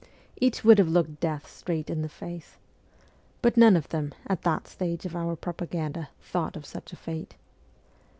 Each would have looked death straight in the face. But none of them, at that stage of our propaganda, thought of such a fate.